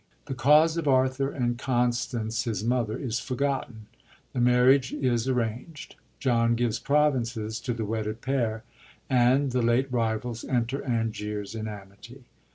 The cause of Arthur and Constance, his mother, is forgotten ; the marriage is arranged. John gives provinces to the wedded pair, and the late rivals enter Anglers in amity.